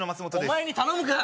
お前に頼むか！